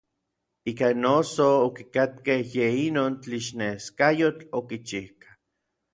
Ikan noso okikakkej yej inon tlixneskayotl okichijka.